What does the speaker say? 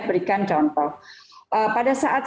berikan contoh pada saat